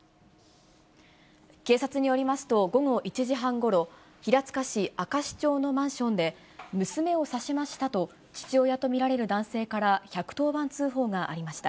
警察によりますと、午後１時半ごろ、平塚市あかし町のマンションで、娘を刺しましたと、父親と見られる男性から１１０番通報がありました。